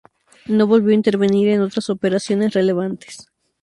No volvió a intervenir en otras operaciones relevantes.